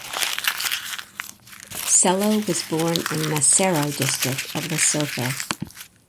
Sello was born in Maseru district of Lesotho.